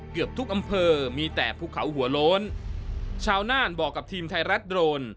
เกือบทุกอำเภอมีแต่ภูเขาหัวโล้นชาวน่านบอกกับทีมไทยรัฐโดรน